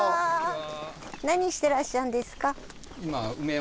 何してらっしゃるんですか？